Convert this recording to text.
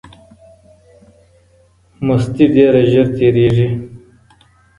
مستي ډیره ژر تېریږي.